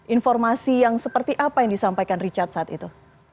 informasi yang seperti apa yang disampaikan richard saat itu